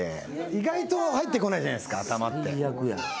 意外と入ってこないじゃないですか頭って。